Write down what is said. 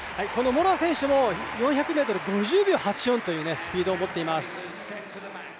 モラア選手も４００ｍ、５０秒８４というスピードを持っています。